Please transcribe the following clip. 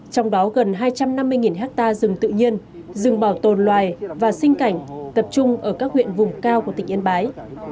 trong đó gần hai trăm năm mươi hectare rừng tự nhiên rừng bảo tồn loài và sinh cảnh tập trung ở các huyện vùng cao của tỉnh yên bái